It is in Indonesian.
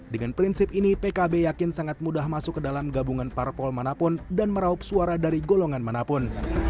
dengan prinsip ini pkb yakin sangat mudah masuk ke dalam gabungan parpol manapun dan meraup suara dari golongan manapun